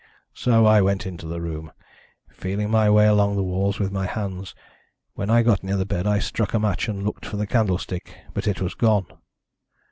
So I went into the room, feeling my way along the walls with my hands. When I got near the bed I struck a match and looked for the candlestick. But it was gone.